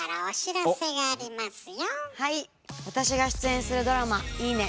私が出演するドラマ「いいね！